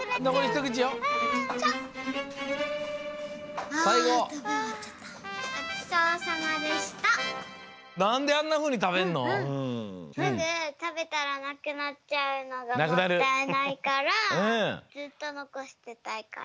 すぐ食べたらなくなっちゃうのがもったいないからずっと残してたいから。